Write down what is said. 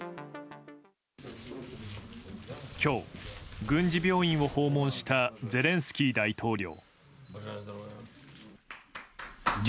今日、軍事病院を訪問したゼレンスキー大統領。